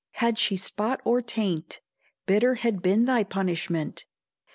had she spot or taint, Bitter had been thy punishment.